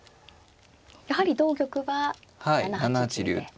やはり同玉は７八竜で。